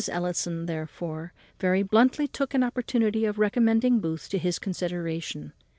Ellison, therefore, very bluntly took an opportunity of recommending Booth to his consideration.